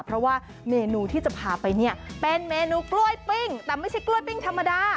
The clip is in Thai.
เพราะว่าเมนูที่จะพาไปเนี่ยเป็นเมนูกล้วยปิ้งแต่ไม่ใช่กล้วยปิ้งธรรมดา